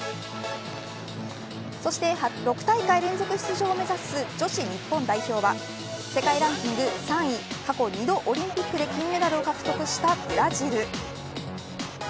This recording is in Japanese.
そして、６大会連続出場を目指す女子日本代表は世界ランキング３位過去２度オリンピックで金メダルを獲得したブラジル。